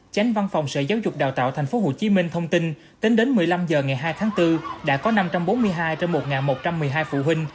chánh văn phòng sở giáo dục đào tạo tp hcm thông tin tính đến một mươi năm h ngày hai tháng bốn đã có năm trăm bốn mươi hai trong một một trăm một mươi hai phụ huynh